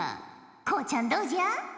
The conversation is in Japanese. こうちゃんどうじゃ？